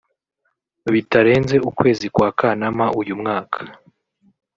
bitarenze ukwezi kwa Kanama uyu mwaka